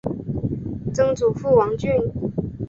曾祖父王俊。